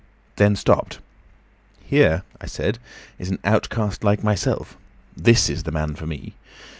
"—then stopped. 'Here,' I said, 'is an outcast like myself. This is the man for me.